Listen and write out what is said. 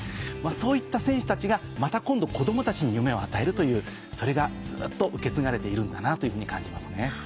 そういった選手たちがまた今度子供たちに夢を与えるというそれがずっと受け継がれているんだなと感じますね。